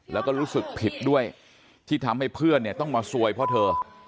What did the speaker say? แล้วก็รู้สึกผิดด้วยที่ทำให้เพื่อนเนี่ยต้องมาซวยพ่อเธอ